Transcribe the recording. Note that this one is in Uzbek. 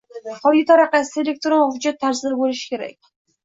qoida tariqasida, elektron hujjat tarzida bo‘lishi kerak.